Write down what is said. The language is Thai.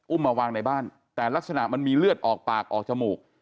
มาวางในบ้านแต่ลักษณะมันมีเลือดออกปากออกจมูก